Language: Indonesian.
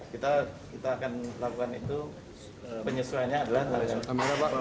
kita akan lakukan itu penyesuaiannya adalah tarif